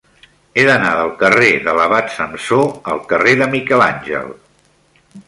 He d'anar del carrer de l'Abat Samsó al carrer de Miquel Àngel.